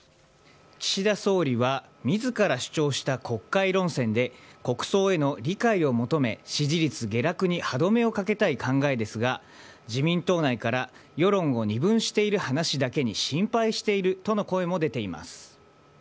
岸田総理は自ら主張した国会論戦で国葬への理解を求め支持率下落に歯止めをかけたい考えですが自民党内から世論を二分している話だけに心配しているとの声も出ています。